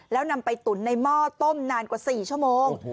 แล้วนำไปตุ๋นในหม้อต้มนานกว่า๔ชั่วโมง